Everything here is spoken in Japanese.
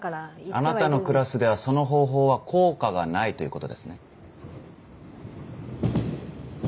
あなたのクラスではその方法は効果がないということですね？